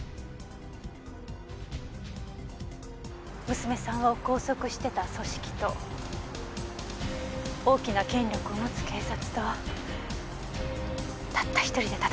娘さんを拘束してた組織と大きな権力を持つ警察とたった１人で戦ってたんだもん。